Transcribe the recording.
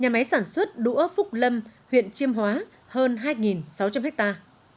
nhà máy sản xuất đũa phúc lâm huyện chiêm hóa hơn hai sáu trăm linh hectare